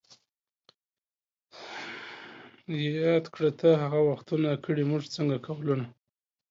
یاد کړه ته هغه وختونه ـ کړي موږ څنګه قولونه